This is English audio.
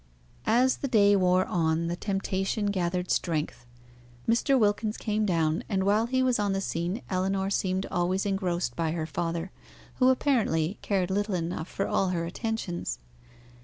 As the day wore on the temptation gathered strength. Mr. Wilkins came down, and while he was on the scene Ellinor seemed always engrossed by her father, who apparently cared little enough for all her attentions.